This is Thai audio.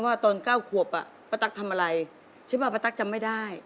ว่าตอนเก้าขวบปะปะตั๊กทำอะไรใช่ปะปะตั๊กจำไม่ได้